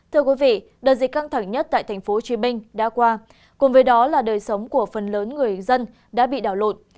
thưa quý vị đợt dịch căng thẳng nhất tại tp hcm đã qua cùng với đó là đời sống của phần lớn người dân đã bị đảo lộn